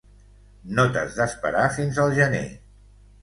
No t'has d'esperar fins al gener.